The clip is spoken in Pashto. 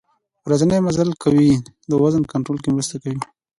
ورځنی مزل کول د وزن کنترول کې مرسته کوي.